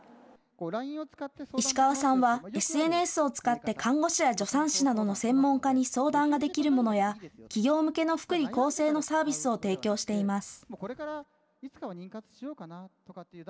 石川さんはＳＮＳを使って看護師や助産師などの専門家に相談ができるものや企業向けの福利厚生のサービスを提供しています。